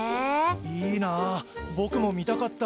いいなあぼくも見たかった。